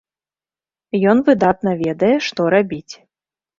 Ён выдатна ведае, што рабіць.